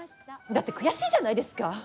だって悔しいじゃないですか！